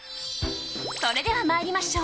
それでは参りましょう。